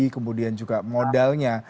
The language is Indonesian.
kemudian juga modalnya